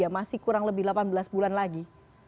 masih kurang lebih delapan belas bulan lagi